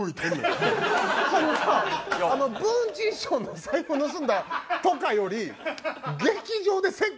文珍師匠の財布盗んだとかより。